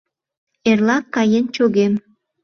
Эрлак каен чогем!